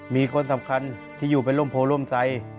มีคนสำคัญที่อยู่เป็นร่มโพร่มใส